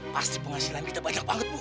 pasti penghasilan kita banyak banget bu